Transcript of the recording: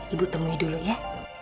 ibu temui dulu ya